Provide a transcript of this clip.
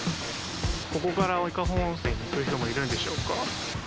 ここから伊香保温泉に行く人もいるんでしょうか。